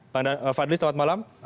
bang fadli selamat malam